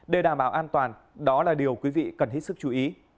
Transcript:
để đảm bảo an toàn đó là điều quý vị cần hết sức chú ý